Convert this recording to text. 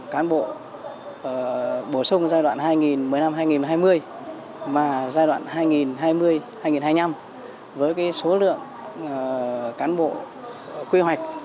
cán bộ bổ sung giai đoạn hai nghìn một mươi năm hai nghìn hai mươi mà giai đoạn hai nghìn hai mươi hai nghìn hai mươi năm với số lượng cán bộ quy hoạch